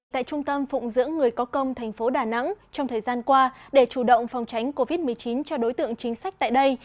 tại trung tâm phụng dưỡng người có công tp đà nẵng trong thời gian qua để chủ động phòng tránh covid một mươi chín cho đối tượng chính sách tại đây